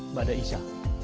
mbak ada isya